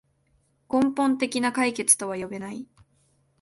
根本的な解決とは呼べない